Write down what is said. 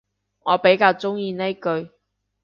我比較鍾意呢句